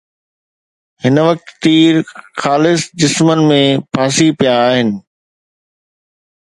هن وقت تير خالص جسمن ۾ ڦاسي پيا آهن